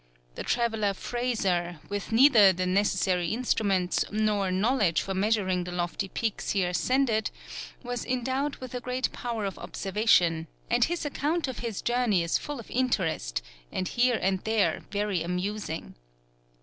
The traveller Fraser, with neither the necessary instruments nor knowledge for measuring the lofty peaks he ascended, was endowed with a great power of observation, and his account of his journey is full of interest, and here and there very amusing.